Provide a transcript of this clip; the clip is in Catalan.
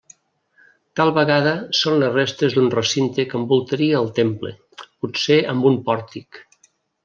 Tal vegada són les restes d'un recinte que envoltaria el temple, potser amb un pòrtic.